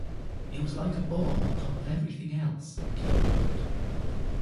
"It was like a bomb on top of everything else", King wrote.